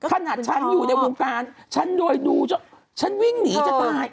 ขนาดฉันอยู่ในวงการฉันโดยดูฉันวิ่งหนีจะตาย